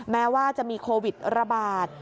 แม้ว่าจะมีโควิดระบาด